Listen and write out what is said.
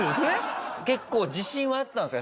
結構自信はあったんですか？